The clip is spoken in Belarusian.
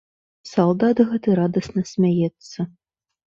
Салдат гэты радасна смяецца.